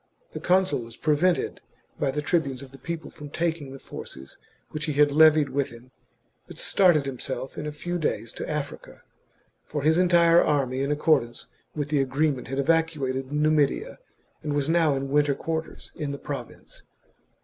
The consul was prevented by the tribunes of the people from taking the forces which he had levied with him, but started himself in a few days to Africa, for his entire army in accordance with the agreement had evacuated Numidia and was now in winter quarters in the province.